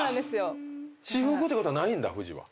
私服ってことはないんだフジは。